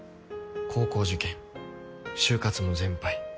高校受験就活も全敗。